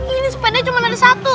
ini sepeda cuma ada satu